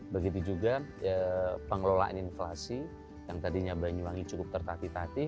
begitu juga pengelolaan inflasi yang tadinya banyuwangi cukup tertati tati